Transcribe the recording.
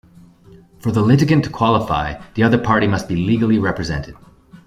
For the litigant to qualify, the other party must be legally represented.